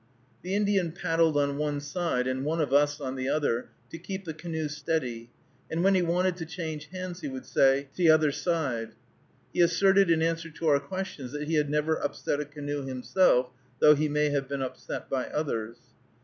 The Indian paddled on one side, and one of us on the other, to keep the canoe steady, and when he wanted to change hands he would say, "t' other side." He asserted, in answer to our questions, that he had never upset a canoe himself, though he may have been upset by others.